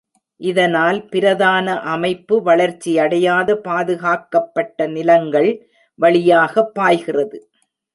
இதனால் பிரதான அமைப்பு வளர்ச்சியடையாத, பாதுகாக்கப்பட்ட நிலங்கள் வழியாக பாய்கிறது.